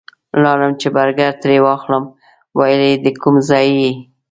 لاړم چې برګر ترې واخلم ویل یې د کوم ځای یې؟